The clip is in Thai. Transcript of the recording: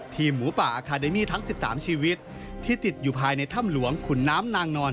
หมูป่าอาคาเดมี่ทั้ง๑๓ชีวิตที่ติดอยู่ภายในถ้ำหลวงขุนน้ำนางนอน